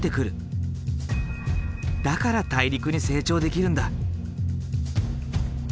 だから大陸に成長できるんだ。